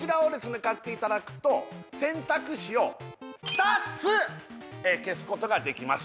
買っていただくと選択肢を２つ消すことができます